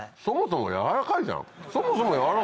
そもそもやわらかいんだよ。